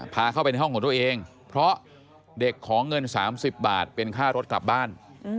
พาเข้าไปในห้องของตัวเองเพราะเด็กขอเงิน๓๐บาทเป็นค่ารถกลับบ้าน